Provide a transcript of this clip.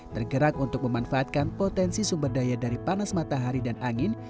tergerak untuk memanfaatkan potensi sumber daya dari panas matahari dan angin